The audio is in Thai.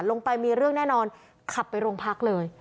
ลงไปมีเรื่องแน่นอนขับไปโรงพักเลย